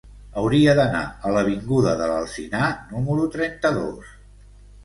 Hauria d'anar a l'avinguda de l'Alzinar número trenta-dos.